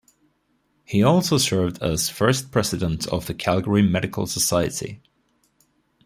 He also served as first president of the Calgary Medical Society.